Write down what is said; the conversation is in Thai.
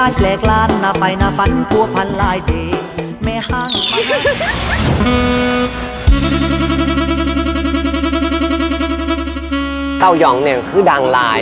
เต้ายองเนี่ยคือดังลาย